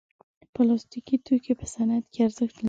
پلاستيکي توکي په صنعت کې ارزښت لري.